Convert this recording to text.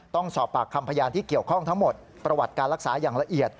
ต้องสอบปากคำพยานที่เกี่ยวข้องทั้งหมดประวัติการรักษาอย่างละเอียด